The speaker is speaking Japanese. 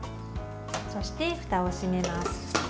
そして、ふたを閉めます。